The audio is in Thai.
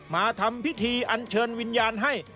มาทำพิธีอันเชิญวิญญาณให้